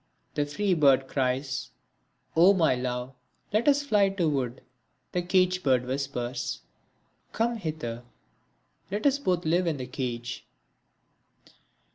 The free bird cries, "O my love, let us fly to wood." The cage bird whispers, "Come hither, let us both live in the cage."